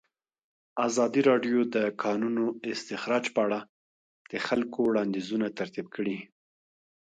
ازادي راډیو د د کانونو استخراج په اړه د خلکو وړاندیزونه ترتیب کړي.